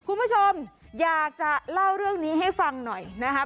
คุณผู้ชมอยากจะเล่าเรื่องนี้ให้ฟังหน่อยนะครับ